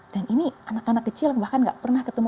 dan ini anak anak kecil bahkan gak pernah ketemu